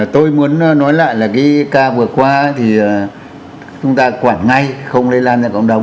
tôi muốn nói lại là cái ca vừa qua thì chúng ta quản ngay không lây lan ra cộng đồng